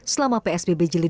selama psbb jelit dua